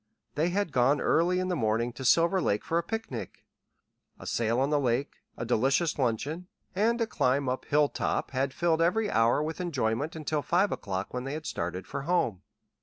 They had gone early in the morning to Silver Lake for a picnic. A sail on the lake, a delicious luncheon, and a climb up "Hilltop" had filled every hour with enjoyment until five o'clock when they had started for home.